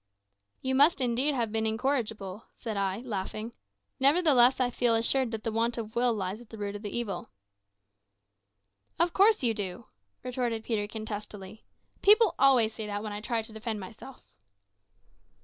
"You must indeed have been incorrigible," said I, laughing. "Nevertheless, I feel assured that the want of will lies at the root of the evil." "Of course you do," retorted Peterkin testily; "people always say that when I try to defend myself."